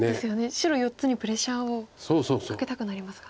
白４つにプレッシャーをかけたくなりますが。